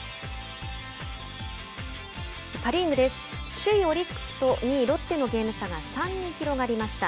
首位オリックスと２位ロッテのゲーム差が３に広がりました。